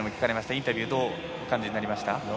インタビューどうお感じになりました？